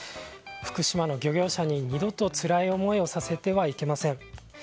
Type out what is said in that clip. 福島の漁業者に二度とつらい思いをさせてはいけません。